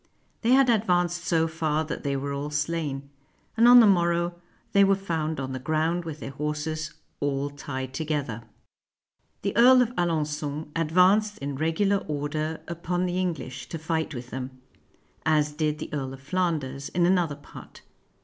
They had advanced so far that they were all slain ; and on the morrow they were found on the ground with their horses all tied together. The Earl of Alengon advanced in regular order upon 177 FRANCE the English, to fight with them; as did the Earl of Flan ders, in another part.